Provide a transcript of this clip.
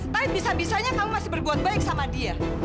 tapi bisa bisanya kamu masih berbuat baik sama dia